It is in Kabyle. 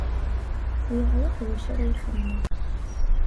Yeɛweq d acu ara ixemmem.